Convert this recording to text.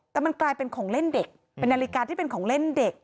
แต่มันกลายเป็นของเล่นเด็กเป็นนาฬิกาที่เป็นของเล่นเด็ก